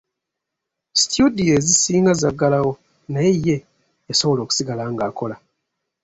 Situdiyo ezisinga zaggalawo naye ye yasobola okusigala ng'akola.